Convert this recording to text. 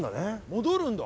戻るんだ。